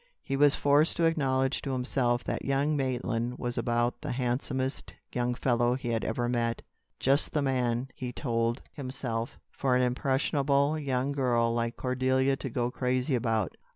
He was forced to acknowledge to himself that young Maitland was about the handsomest young fellow he had ever met just the man, he told himself, for an impressionable young girl like Cordelia to go crazy about.